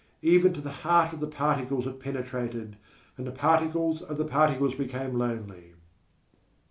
Even to the heart of the particles it penetrated, and the particles of the particles became lonely_.